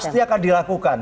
pasti akan dilakukan